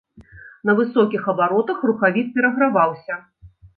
На высокіх абаротах рухавік пераграваўся.